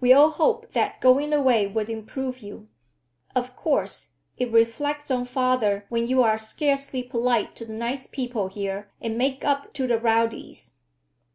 We all hoped that going away would improve you. Of course, it reflects on father when you are scarcely polite to the nice people here and make up to the rowdies."